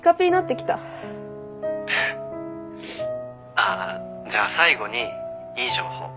ああじゃあ最後にいい情報。